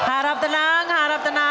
harap tenang harap tenang